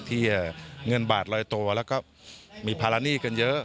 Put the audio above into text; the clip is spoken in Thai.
ที่เงินบาทลอยตัวแล้วก็มีภาระหนี้กันเยอะ